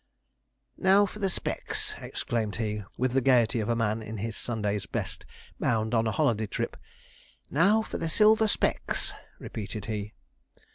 'Now for the specs!' exclaimed he, with the gaiety of a man in his Sunday's best, bound on a holiday trip. 'Now for the silver specs!' repeated he.